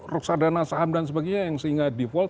ruksadana saham dan sebagainya yang sehingga default